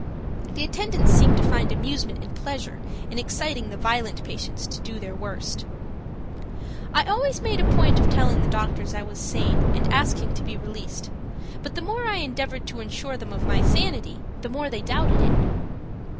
The attendants seemed to find amusement and pleasure in exciting the violent patients to do their worst. I always made a point of telling the doctors I was sane and asking to be released, but the more I endeavored to assure them of my sanity the more they doubted it.